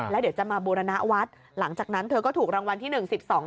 แล้วเดี๋ยวจะมาบูรณวัดหลังจากนั้นเธอก็ถูกรางวัลที่หนึ่งสิบสอง